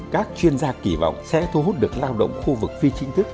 các chuyên gia kỳ vọng sẽ thu hút được lao động khu vực phi chính thức